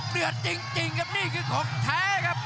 เดือดจริงครับนี่คือของแท้ครับ